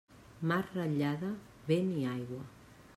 Mar ratllada, vent i aigua.